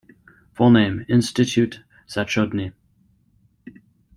Full name: Instytut Zachodni.